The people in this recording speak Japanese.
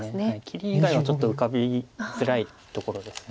切り以外はちょっと浮かびづらいところです。